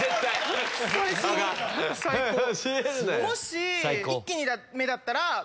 もし一気にダメだったら。